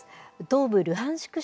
東部ルハンシク